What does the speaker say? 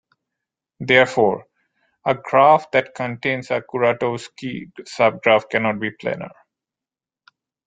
Therefore, a graph that contains a Kuratowski subgraph cannot be planar.